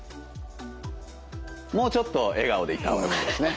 もうちょっと笑顔でいった方がよかったですね。